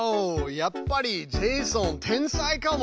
やっぱりジェイソン天才かも。